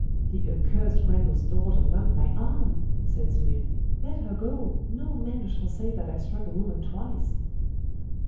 'The accursed Grendel's daughter numbed my arm!' said Smid. 'Let her go! No man shall say that I struck a woman twice.